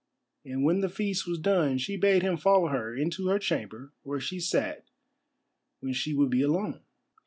And when the feast was done she bade him follow her into her chamber where she sat when she would be alone.